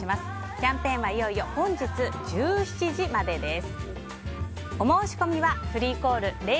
キャンペーンはいよいよ本日１７時までです。